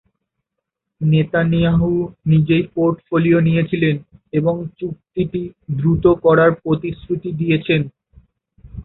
Netanyahu নিজেই portfolio নিয়েছিলেন এবং চুক্তিটি দ্রুত করার প্রতিশ্রুতি দিয়েছেন।